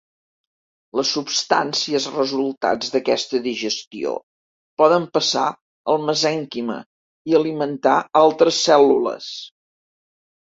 Les substàncies resultants d'aquesta digestió poden passar al mesènquima i alimentar altres cèl·lules.